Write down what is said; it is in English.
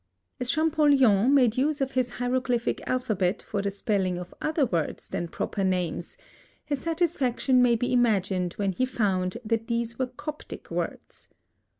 As Champollion made use of his hieroglyphic alphabet for the spelling of other words than proper names, his satisfaction may be imagined when he found that these were Coptic words.